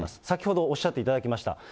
先ほどおっしゃっていただきました。